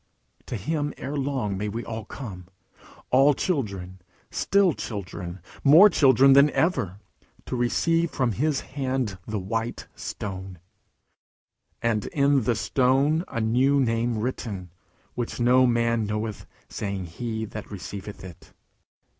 To him ere long may we all come, all children, still children, more children than ever, to receive from his hand the white stone, and in the stone a new name written, which no man knoweth saving he that receiveth it.